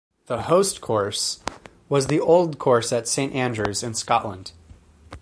The host course was the Old Course at Saint Andrews in Scotland.